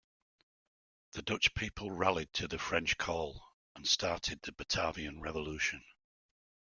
The Dutch people rallied to the French call and started the Batavian Revolution.